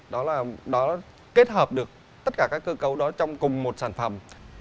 đó là nó kết hợp được tất cả các cơ cấu đó trong cùng một sản phẩm